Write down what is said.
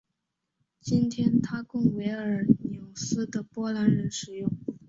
今天它供维尔纽斯的波兰人使用。